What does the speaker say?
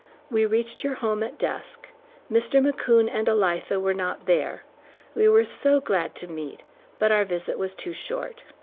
We reached your home at dusk. Mr. McCoon and Elitha were not there. We were so glad to meet, but our visit was too short.